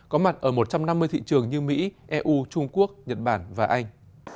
có mặt ở một trăm năm mươi thị trường như mỹ eu trung quốc nhật bản và anh